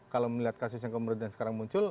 kalau melihat kasus yang kemudian sekarang muncul